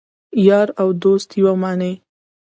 یار او دوست یوه معنی